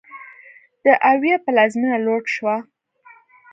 د اویو پلازمېنه لوټ شوه.